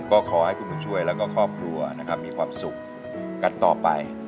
ก็ขอให้คุณบุญช่วยและครอบครัวมีความสุขกันต่อไป